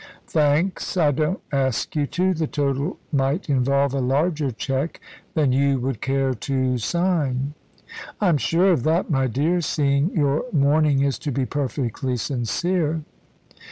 "Thanks. I don't ask you to. The total might involve a larger cheque than you would care to sign." "I'm sure of that, my dear, seeing your mourning is to be perfectly sincere."